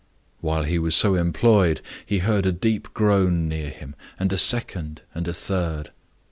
While he was so employed, he heard a deep groan near him, and a second, and a third.